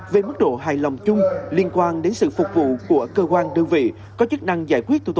về mức độ hài lòng chung liên quan đến sự phục vụ của cơ quan đơn vị có chức năng giải quyết thủ tục